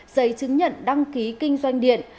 giấy chứng nhận đăng ký kinh doanh điện